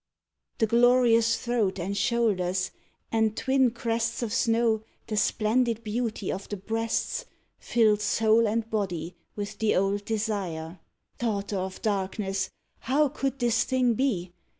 The glorious throat and shoulders and, twin crests Of snow, the splendid beauty of the breasts, Filled soul and body with the old desire. Daughter of darkness! how could this thing be?